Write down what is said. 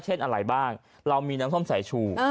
เช่นอะไรบ้างเรามีน้ำส้มสายชู